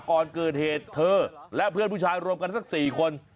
ก่อนเกิดเหตุเธอและเพื่อนผู้ชายรวมกันสัก๔คน